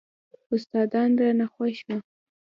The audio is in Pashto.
استادان رانه خوښ وو.